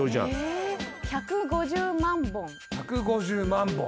１５０万本。